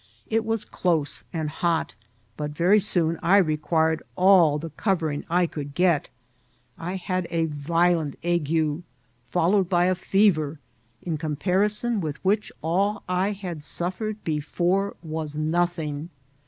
It was close and hot, but very soon I re quired all the covering I could get. I had a violent XLLNSfl. S21 ague* fdloired by a hver^ in conqpanioii with whicfa aU I had suffered before was nothing.